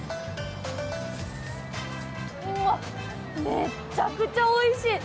めっちゃくちゃおいしい。